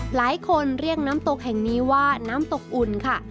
หลายคนเรียกน้ำตกแห่งนี้ว่าน้ำตกอุ่นค่ะ